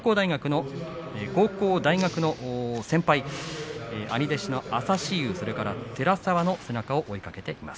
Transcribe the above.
高校、大学の先輩兄弟子の朝志雄、それから寺沢の背中を追いかけています。